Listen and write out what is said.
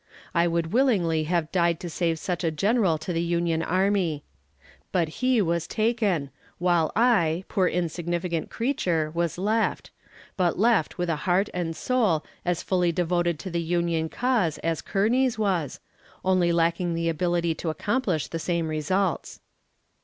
I would willingly have died to save such a general to the Union army. But he was taken, while I, poor insignificant creature, was left; but left with a heart and soul as fully devoted to the Union cause as Kearney's was; only lacking the ability to accomplish the same results.